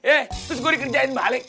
eh terus gue dikerjain balik